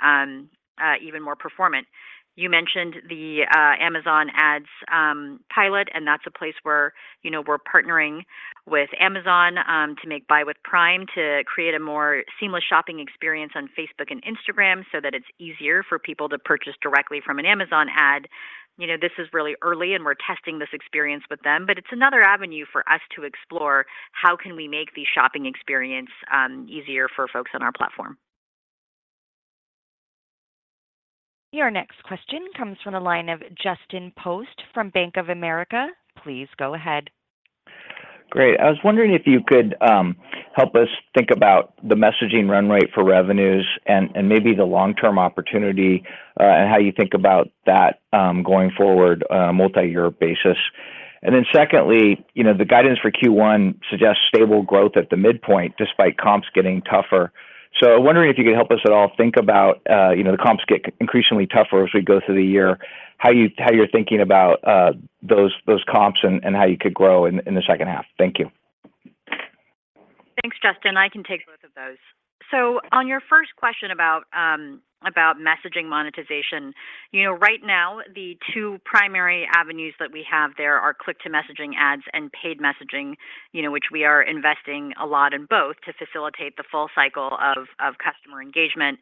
performant. You mentioned the Amazon ads pilot, and that's a place where, you know, we're partnering with Amazon to make Buy with Prime to create a more seamless shopping experience on Facebook and Instagram so that it's easier for people to purchase directly from an Amazon ad. You know, this is really early, and we're testing this experience with them, but it's another avenue for us to explore how can we make the shopping experience easier for folks on our platform? Your next question comes from the line of Justin Post from Bank of America. Please go ahead. Great. I was wondering if you could help us think about the messaging run rate for revenues and, and maybe the long-term opportunity, and how you think about that, going forward, multi-year basis. And then secondly, you know, the guidance for Q1 suggests stable growth at the midpoint, despite comps getting tougher. So I'm wondering if you could help us at all think about, you know, the comps get increasingly tougher as we go through the year, how you, how you're thinking about, those, those comps and, and how you could grow in, in the second half. Thank you. Thanks, Justin. I can take both of those. So on your first question about messaging monetization, you know, right now, the two primary avenues that we have there are click-to-messaging ads and paid messaging, you know, which we are investing a lot in both to facilitate the full cycle of customer engagement.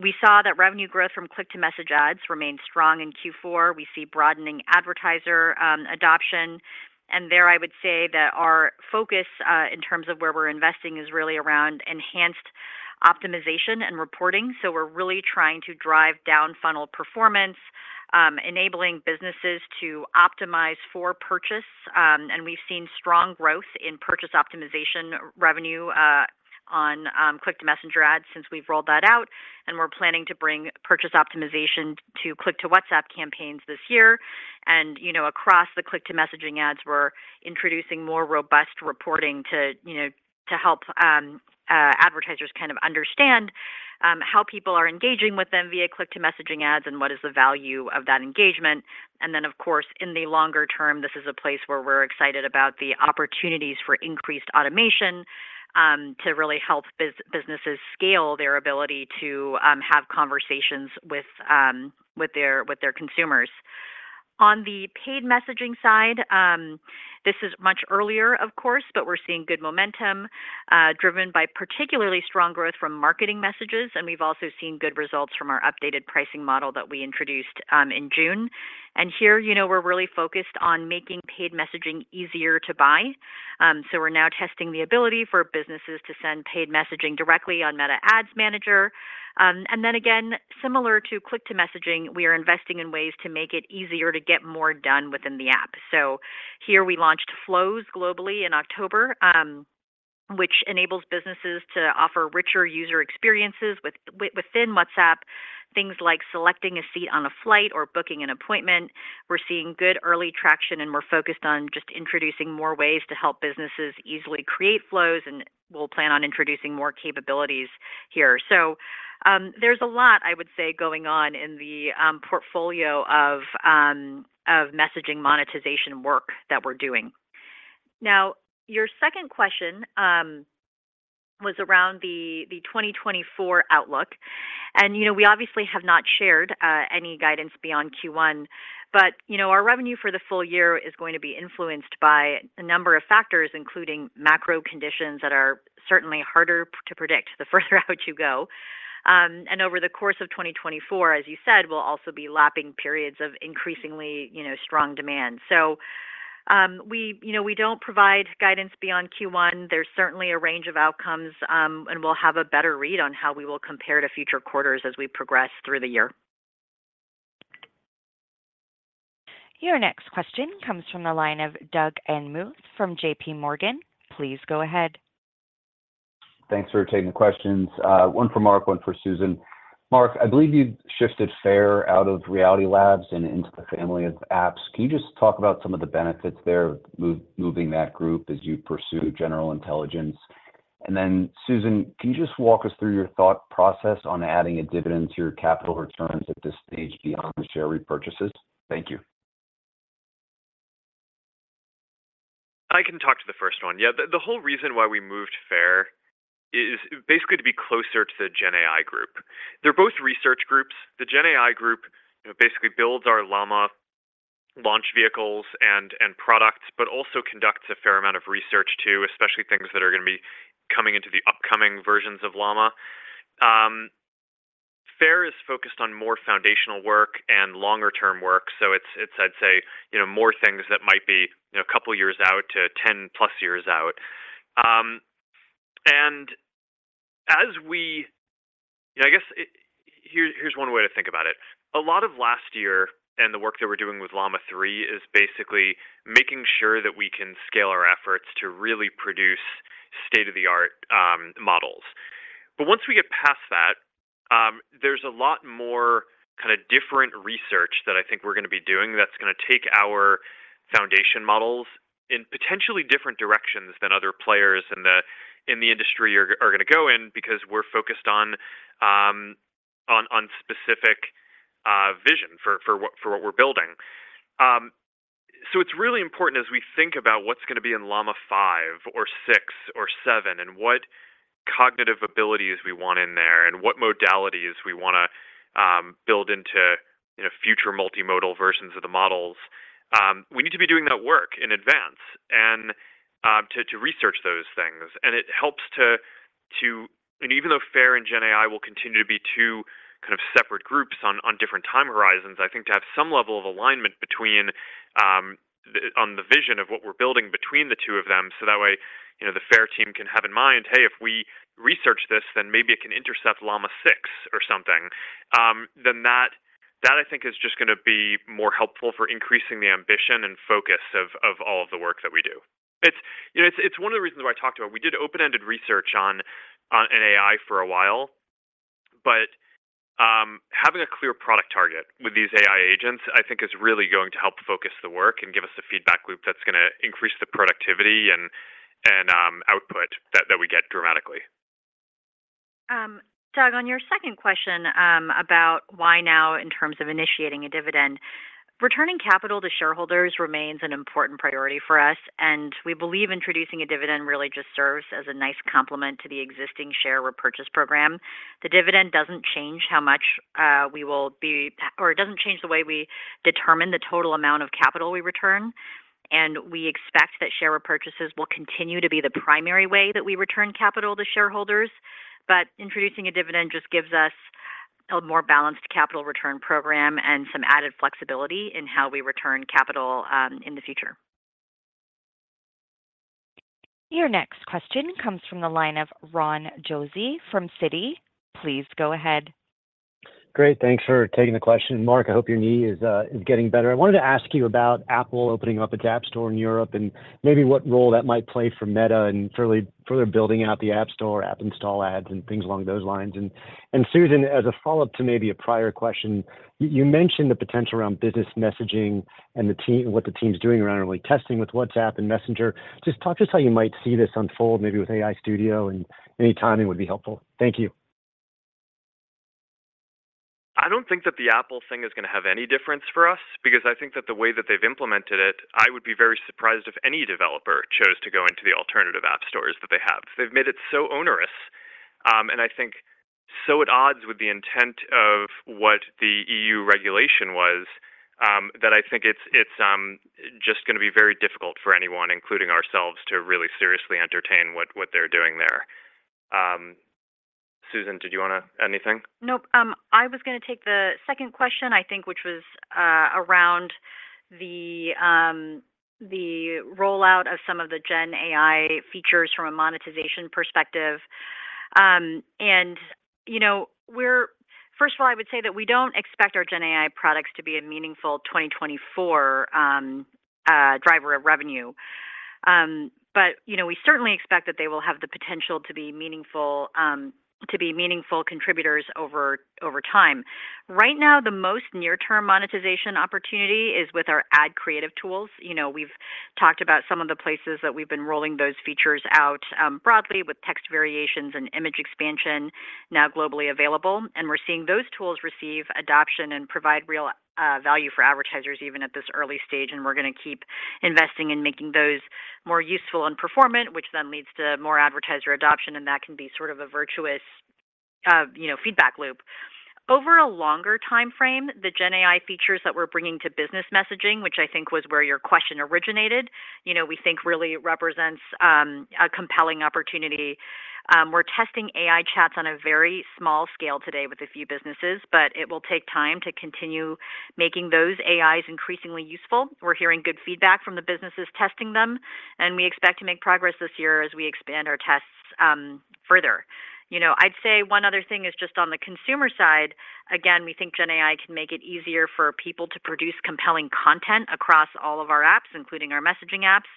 We saw that revenue growth from click-to-message ads remained strong in Q4. We see broadening advertiser adoption, and there I would say that our focus in terms of where we're investing is really around enhanced optimization and reporting. So we're really trying to drive down funnel performance, enabling businesses to optimize for purchase. And we've seen strong growth in purchase optimization revenue on click-to-Messenger ads since we've rolled that out, and we're planning to bring purchase optimization to click-to-WhatsApp campaigns this year. You know, across the click-to-messaging ads, we're introducing more robust reporting to, you know, to help advertisers kind of understand how people are engaging with them via click-to-messaging ads and what is the value of that engagement. And then, of course, in the longer term, this is a place where we're excited about the opportunities for increased automation to really help businesses scale their ability to have conversations with their consumers. On the paid messaging side, this is much earlier, of course, but we're seeing good momentum driven by particularly strong growth from marketing messages, and we've also seen good results from our updated pricing model that we introduced in June. And here, you know, we're really focused on making paid messaging easier to buy. So we're now testing the ability for businesses to send paid messaging directly on Meta Ads Manager. And then again, similar to click-to-messaging, we are investing in ways to make it easier to get more done within the app. So here we launched Flows globally in October, which enables businesses to offer richer user experiences within WhatsApp, things like selecting a seat on a flight or booking an appointment. We're seeing good early traction, and we're focused on just introducing more ways to help businesses easily create flows, and we'll plan on introducing more capabilities here. So there's a lot, I would say, going on in the portfolio of messaging monetization work that we're doing. Now, your second question was around the 2024 outlook, and, you know, we obviously have not shared any guidance beyond Q1, but, you know, our revenue for the full year is going to be influenced by a number of factors, including macro conditions that are certainly harder to predict the further out you go. And over the course of 2024, as you said, we'll also be lapping periods of increasingly, you know, strong demand. So, we, you know, we don't provide guidance beyond Q1. There's certainly a range of outcomes, and we'll have a better read on how we will compare to future quarters as we progress through the year. Your next question comes from the line of Doug Anmuth from J.P. Morgan. Please go ahead. Thanks for taking the questions. One for Mark, one for Susan. Mark, I believe you shifted FAIR out of Reality Labs and into the Family of Apps. Can you just talk about some of the benefits there, moving that group as you pursue general intelligence? And then, Susan, can you just walk us through your thought process on adding a dividend to your capital returns at this stage beyond the share repurchases? Thank you. I can talk to the first one. Yeah, the whole reason why we moved FAIR is basically to be closer to the Gen AI group. They're both research groups. The Gen AI group, you know, basically builds our Llama launch vehicles and products, but also conducts a fair amount of research, too, especially things that are gonna be coming into the upcoming versions of Llama. FAIR is focused on more foundational work and longer term work, so it's, I'd say, you know, more things that might be, you know, a couple of years out to 10+ years out. And as we, I guess, here's one way to think about it. A lot of last year and the work that we're doing with Llama 3 is basically making sure that we can scale our efforts to really produce state-of-the-art models. But once we get past that, there's a lot more kind of different research that I think we're gonna be doing that's gonna take our foundation models in potentially different directions than other players in the industry are gonna go in, because we're focused on specific vision for what we're building. So it's really important as we think about what's gonna be in Llama 5 or 6 or 7, and what cognitive abilities we want in there, and what modalities we wanna build into, you know, future multimodal versions of the models. We need to be doing that work in advance and to research those things. And it helps and even though FAIR and Gen AI will continue to be two kind of separate groups on different time horizons, I think to have some level of alignment between on the vision of what we're building between the two of them, so that way, you know, the FAIR team can have in mind: Hey, if we research this, then maybe it can intercept Llama 6 or something. Then that I think is just gonna be more helpful for increasing the ambition and focus of all of the work that we do. It's, you know, it's one of the reasons why I talked about it. We did open-ended research on an AI for a while, but having a clear product target with these AI agents, I think is really going to help focus the work and give us a feedback loop that's gonna increase the productivity and output that we get dramatically. Doug, on your second question, about why now in terms of initiating a dividend, returning capital to shareholders remains an important priority for us, and we believe introducing a dividend really just serves as a nice complement to the existing share repurchase program. The dividend doesn't change how much, or it doesn't change the way we determine the total amount of capital we return, and we expect that share repurchases will continue to be the primary way that we return capital to shareholders. But introducing a dividend just gives us a more balanced capital return program and some added flexibility in how we return capital, in the future. Your next question comes from the line of Ron Josey from Citi. Please go ahead. Great. Thanks for taking the question. Mark, I hope your knee is getting better. I wanted to ask you about Apple opening up its App Store in Europe and maybe what role that might play for Meta and further building out the App Store, app install ads and things along those lines. And Susan, as a follow-up to maybe a prior question, you mentioned the potential around business messaging and the team, what the team's doing around really testing with WhatsApp and Messenger. Just talk to us how you might see this unfold, maybe with AI Studio, and any timing would be helpful. Thank you. I don't think that the Apple thing is gonna have any difference for us, because I think that the way that they've implemented it, I would be very surprised if any developer chose to go into the alternative app stores that they have. They've made it so onerous, and I think so at odds with the intent of what the EU regulation was, that I think it's just gonna be very difficult for anyone, including ourselves, to really seriously entertain what they're doing there. Susan, did you wanna add anything? Nope. I was gonna take the second question, I think, which was around the rollout of some of the Gen AI features from a monetization perspective. You know, we're first of all, I would say that we don't expect our Gen AI products to be a meaningful 2024 driver of revenue. But you know, we certainly expect that they will have the potential to be meaningful contributors over time. Right now, the most near-term monetization opportunity is with our ad creative tools. You know, we've talked about some of the places that we've been rolling those features out broadly, with text variations and image expansion now globally available, and we're seeing those tools receive adoption and provide real value for advertisers, even at this early stage. And we're gonna keep investing in making those more useful and performant, which then leads to more advertiser adoption, and that can be sort of a virtuous, you know, feedback loop. Over a longer timeframe, the Gen AI features that we're bringing to business messaging, which I think was where your question originated, you know, we think really represents a compelling opportunity. We're testing AI chats on a very small scale today with a few businesses, but it will take time to continue making those AIs increasingly useful. We're hearing good feedback from the businesses testing them, and we expect to make progress this year as we expand our tests further. You know, I'd say one other thing is just on the consumer side, again, we think Gen AI can make it easier for people to produce compelling content across all of our apps, including our messaging apps.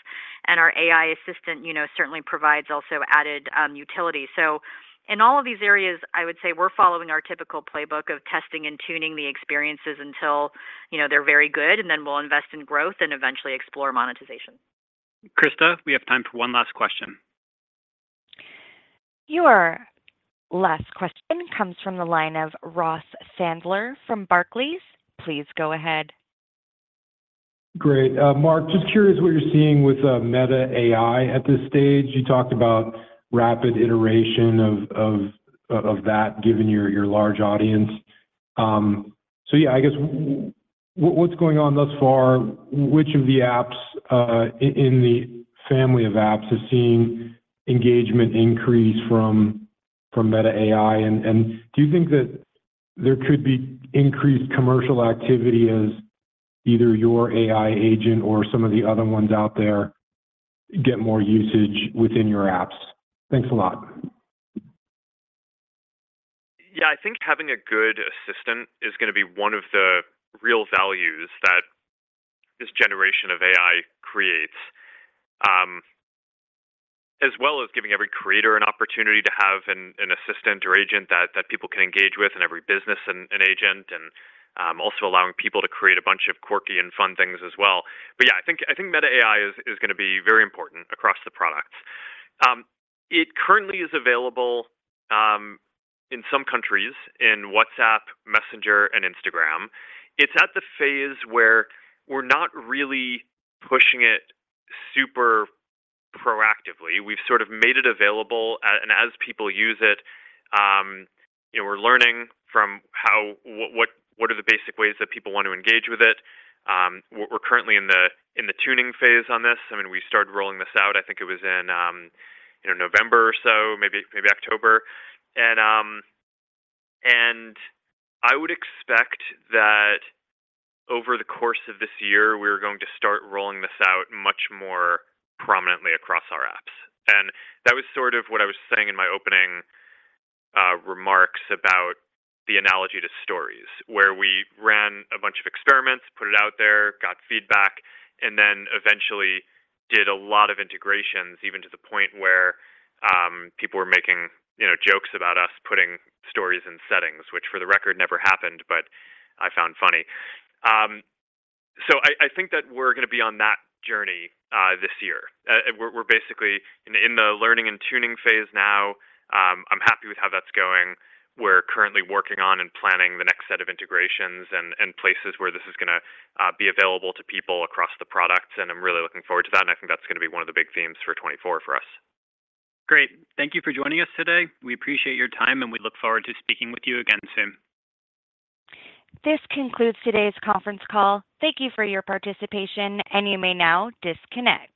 And our AI assistant, you know, certainly provides also added utility. So in all of these areas, I would say we're following our typical playbook of testing and tuning the experiences until, you know, they're very good, and then we'll invest in growth and eventually explore monetization. Krista, we have time for one last question. Your last question comes from the line of Ross Sandler from Barclays. Please go ahead. Great. Mark, just curious what you're seeing with Meta AI at this stage. You talked about rapid iteration of that, given your large audience. So yeah, I guess what's going on thus far? Which of the apps in the Family of Apps is seeing engagement increase from Meta AI? And do you think that there could be increased commercial activity as either your AI agent or some of the other ones out there get more usage within your apps? Thanks a lot. Yeah, I think having a good assistant is gonna be one of the real values that this generation of AI creates. As well as giving every creator an opportunity to have an assistant or agent that people can engage with, and every business an agent, and also allowing people to create a bunch of quirky and fun things as well. But yeah, I think, I think Meta AI is gonna be very important across the products. It currently is available in some countries in WhatsApp, Messenger, and Instagram. It's at the phase where we're not really pushing it super proactively. We've sort of made it available, and as people use it, you know, we're learning from how what are the basic ways that people want to engage with it. We're currently in the tuning phase on this. I mean, we started rolling this out, I think it was in, you know, November or so, maybe October. And I would expect that over the course of this year, we're going to start rolling this out much more prominently across our apps. And that was sort of what I was saying in my opening remarks about the analogy to Stories, where we ran a bunch of experiments, put it out there, got feedback, and then eventually did a lot of integrations, even to the point where people were making, you know, jokes about us putting Stories in settings, which, for the record, never happened, but I found funny. So I think that we're gonna be on that journey this year. We're basically in the learning and tuning phase now. I'm happy with how that's going. We're currently working on and planning the next set of integrations and places where this is gonna be available to people across the products, and I'm really looking forward to that, and I think that's gonna be one of the big themes for 2024 for us. Great. Thank you for joining us today. We appreciate your time, and we look forward to speaking with you again soon. This concludes today's conference call. Thank you for your participation, and you may now disconnect.